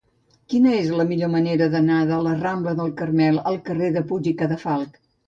Quina és la millor manera d'anar de la rambla del Carmel al carrer de Puig i Cadafalch?